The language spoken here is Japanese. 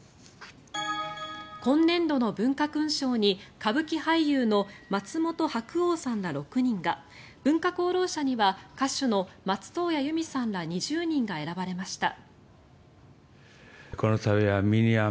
今年度の文化勲章に歌舞伎俳優の松本白鸚さんら６人が文化功労者には歌手の松任谷由実さんら２０人が選ばれました。